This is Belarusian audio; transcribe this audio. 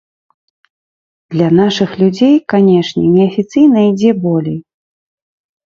Для нашых людзей, канешне, неафіцыйна ідзе болей.